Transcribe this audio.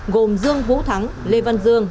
gồm dương vũ thắng lê văn dương